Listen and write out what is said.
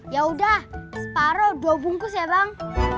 ya udah separuh dua bungkus ya bang